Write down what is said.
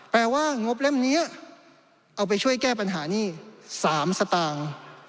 แปลว่างบเล่มนี้เอาไปช่วยแก้ปัญหานี่๓สตางค์